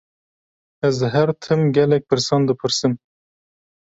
Ez her tim gelek pirsan dipirsim.